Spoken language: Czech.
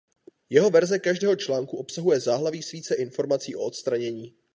Jeho verze každého článku obsahuje záhlaví s více informací o odstranění.